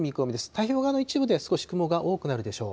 太平洋側の一部では少し雲が多くなるでしょう。